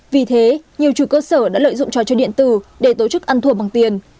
vì thế nhiều chủ cơ sở đã lợi dụng trò chơi điện tử để tổ chức ăn thua bằng tiền